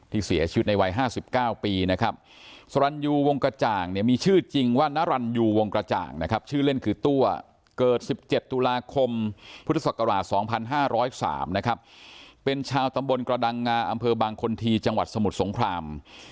ที่เสียชีวิตในวัยห้าสิบเก้าปีนะครับสรรยูวงกระจ่างเนี้ยมีชื่อจริงว่านารันยูวงกระจ่างนะครับ